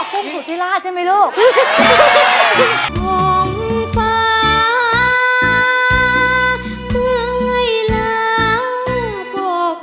อ๋อผู้สูตรธิราชใช่มั้ยลูก